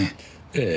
ええ。